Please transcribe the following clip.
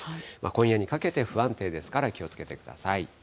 今夜にかけて不安定ですから、気をつけてください。